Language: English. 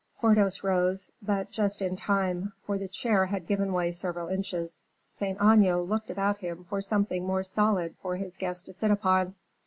Porthos rose; and but just in time, for the chair had given way several inches. Saint Aignan looked about him for something more solid for his guest to sit upon.